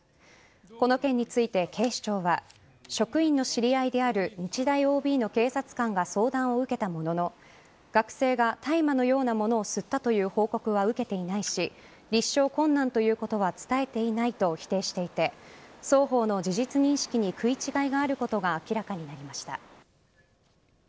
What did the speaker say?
この件について警視庁は職員の知り合いである日大ＯＢの警察官が相談を受けたものの学生が大麻のようなものを吸ったという報告は受けていないし立証困難ということは伝えていないと否定していて双方の事実認識に食い違いがあることが明らかになりました。